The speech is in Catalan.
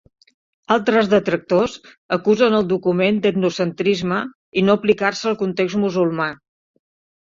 Altres detractors acusen el document d'etnocentrisme i no aplicar-se al context musulmà.